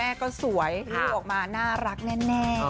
เอาละหัน